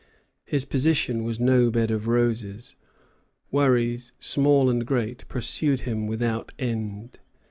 His position was no bed of roses. Worries, small and great, pursued him without end.